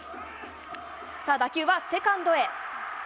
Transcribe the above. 打球はセカンドへ。